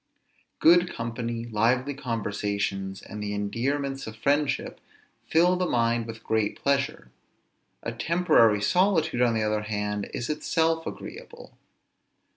Good company, lively conversations, and the endearments of friendship, fill the mind with great pleasure; a temporary solitude, on the other hand, is itself agreeable.